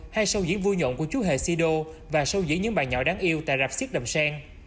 hay show diễn vui nhộn của chú hề sido và sâu diễn những bài nhỏ đáng yêu tại rạp siếc đầm sen